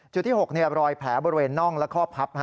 ที่๖รอยแผลบริเวณน่องและข้อพับ